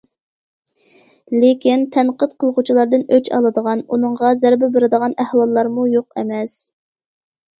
لېكىن تەنقىد قىلغۇچىلاردىن ئۆچ ئالىدىغان، ئۇنىڭغا زەربە بېرىدىغان ئەھۋاللارمۇ يوق ئەمەس.